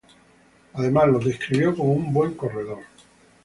Además lo describió como un "buen corredor".